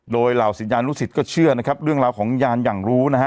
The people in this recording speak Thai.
โดยเหล่าศิษยานุสิตก็เชื่อนะครับเรื่องราวของยานอย่างรู้นะฮะ